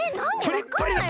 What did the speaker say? プリップリ！